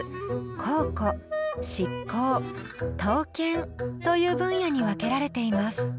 考古漆工刀剣という分野に分けられています。